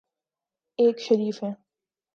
ایک شریف ہیں۔